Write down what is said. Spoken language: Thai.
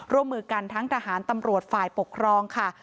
ร่วมมือกันทั้งทหารตำรวจฝ่ายปกครองค่ะ